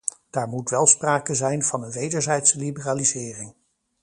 Daar moet wel sprake zijn van een wederzijdse liberalisering.